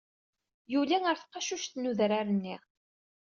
Yuli ɣer tqacuct n udrar-nni.